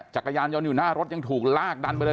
จักรยานยนต์อยู่หน้ารถยังถูกลากดันไปเลย